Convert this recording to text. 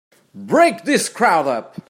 Break this crowd up!